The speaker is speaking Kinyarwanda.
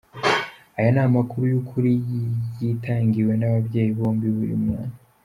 Aya ni amakuru y’ukuri yitangiwe n’ababyeyi bombi b’uyu mwana.